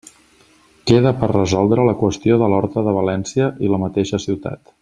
Queda per resoldre la qüestió de l'Horta de València i la mateixa ciutat.